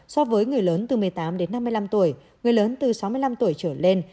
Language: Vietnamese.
so với người lớn từ một mươi tám đến năm mươi năm tuổi người lớn từ sáu mươi năm tuổi trở lên